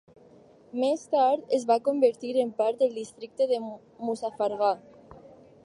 Més tard, es va convertir en part del districte de Muzaffargarh.